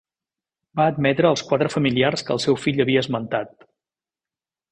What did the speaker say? Va admetre els quatre familiars que el seu fill havia esmentat.